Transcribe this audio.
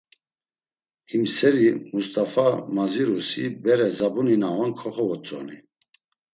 Him seri Must̆afa mazirusi, bere zabuni na on koxovotzoni.